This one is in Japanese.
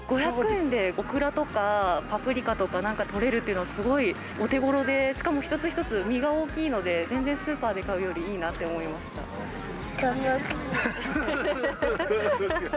５００円でオクラとか、パプリカとか、なんか取れるっていうのは、すごいお手ごろで、しかも一つ一つ実が大きいので、全然スーパーで買うよりいいなったのちい。